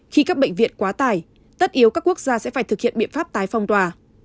khi các bệnh viện quá tải tất yếu các quốc gia sẽ phải thực hiện biện pháp tái phong tỏa